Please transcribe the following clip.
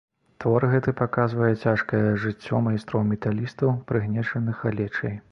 Твор гэты паказвае цяжкае жыццё майстроў-металістаў, прыгнечаных галечай.